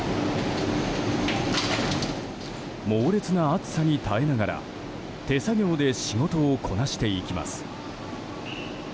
猛烈な暑さに耐えながら手作業で仕事をこなしていきます。